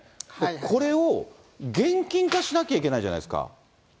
これを現金化しなきゃいけないじゃないですか。